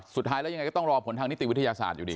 สุดท้ายแล้วยังไงก็ต้องรอผลทางนิติวิทยาศาสตร์อยู่ดี